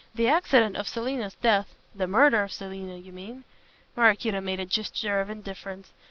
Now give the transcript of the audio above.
The accident of Selina's death " "The murder of Selina, you mean." Maraquito made a gesture of indifference.